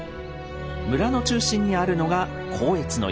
村の中心にあるのが光悦の家です。